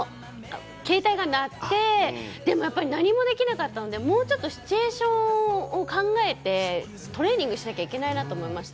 携帯が鳴って、何もできなかったので、もうちょっとシチュエーションを考えてトレーニングしなきゃいけないなと思いました。